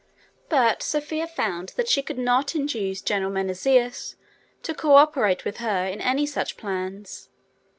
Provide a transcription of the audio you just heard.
But Sophia found that she could not induce General Menesius to co operate with her in any such plans.